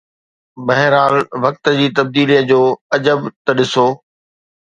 بهرحال وقت جي تبديليءَ جو عجب ته ڏسو.